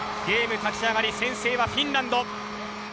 ゲーム立ち上がり先制はフィンランド。